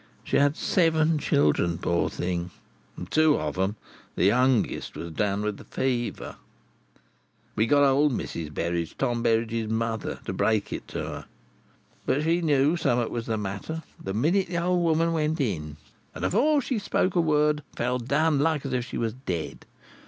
She had seven children, poor thing, and two of 'em, the youngest, was down with the fever. We got old Mrs. Berridge—Tom Berridge's mother—to break it to her. But she knew summat was the matter, the minute the old woman went in, and, afore she spoke a word, fell down like as if she was dead.